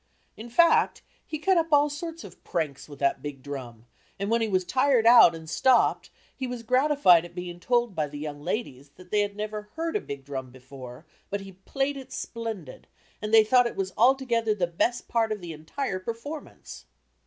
In fact, he cut up all sorts of pranks with that big drum and when he was tired out and stopped, he was gratified at being told by the "young ladies" that they had never heard a big drum before, but he "played it splendid," and they thought it was altogether the best part of the entire performance!